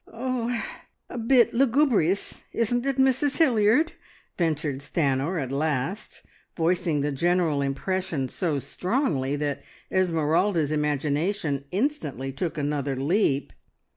"Er a bit lugubrious, isn't it, Mrs Hilliard?" ventured Stanor at last, voicing the general impression so strongly that Esmeralda's imagination instantly took another leap.